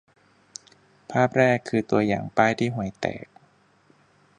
ภาพแรก คือตัวอย่างป้ายที่ห่วยแตก